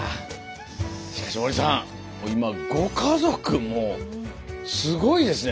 しかし森さんもう今ご家族もすごいですね